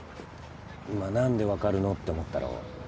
今何で分かるのって思ったろ？